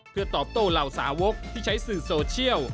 เพื่อตอบโต้เหล่าสาวกที่ใช้สื่อโซเชียล